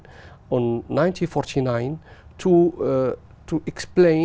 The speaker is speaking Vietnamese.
vào năm một nghìn chín trăm bốn mươi chín